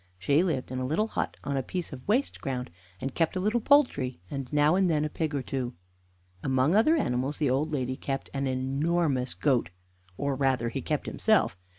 She lived in a little hut on a piece of waste ground, and kept a little poultry, and now and then a pig or two. Among other animals, the old lady kept an enormous goat, or, rather, he kept himself.